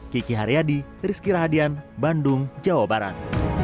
kiki haryadi rizky rahadian bandung jawa barat